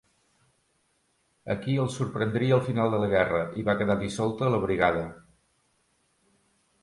Aquí el sorprendria el final de la guerra, i va quedar dissolta la brigada.